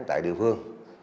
tại địa phương